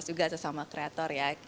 juga sesama kreator ya